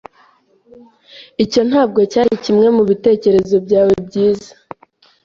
Icyo ntabwo cyari kimwe mubitekerezo byawe byiza.